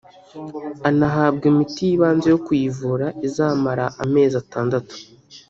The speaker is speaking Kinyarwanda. anahabwa imiti y’ibanze yo kuyivura izamara amezi atandatu